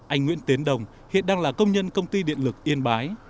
anh nguyễn tiến đồng hiện đang là công nhân công ty điện lực yên bái